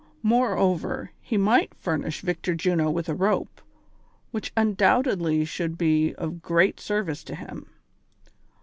Moreover, he might furnish Victor Juno with a rope, which undoubtedly should be of great service to him.